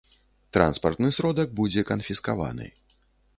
Транспартны сродак будзе канфіскаваны.